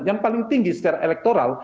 yang paling tinggi secara elektoral